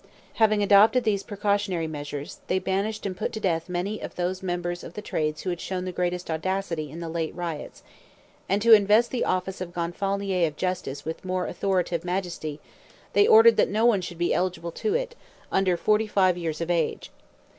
Having adopted these precautionary measures, they banished and put to death many of those members of the trades who had shown the greatest audacity in the late riots; and to invest the office of Gonfalonier of Justice with more authoritative majesty, they ordered that no one should be eligible to it, under forty five years of age.